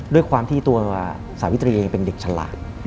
ด้วยความที่ตัวสาวิตรีเองเป็นเด็กฉลาด